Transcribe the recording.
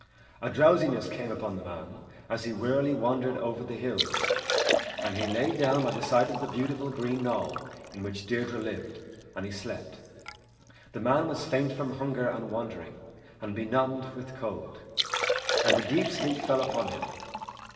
A drowsiness came upon the man as he wearily wandered over the hills, and he laid down by the side of the beautiful green knoll in which Deirdre lived, and he slept. The man was faint from hunger and wandering, and benumbed with cold, and a deep sleep fell upon him.